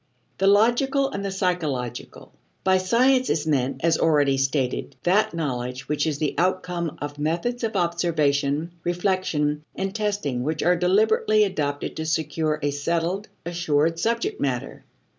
The Logical and the Psychological. By science is meant, as already stated, that knowledge which is the outcome of methods of observation, reflection, and testing which are deliberately adopted to secure a settled, assured subject matter.